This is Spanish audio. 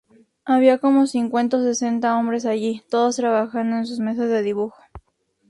Había como cincuenta o sesenta hombres allí, todos trabajando en sus mesas de dibujo.